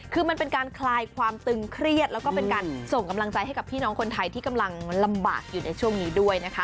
คือมันเป็นการคลายความตึงเครียดแล้วก็เป็นการส่งกำลังใจให้กับพี่น้องคนไทยที่กำลังลำบากอยู่ในช่วงนี้ด้วยนะคะ